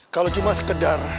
kalau cuma sekedar